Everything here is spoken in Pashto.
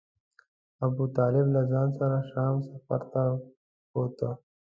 ابو طالب له ځان سره شام سفر ته بوته.